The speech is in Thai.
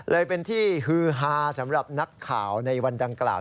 เลยเป็นที่ฮือฮาสำหรับนักข่าวในวันดังกล่าว